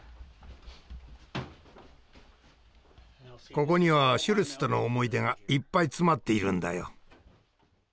ここにはシュルツとの思い出がいっぱい詰まっているんだよ。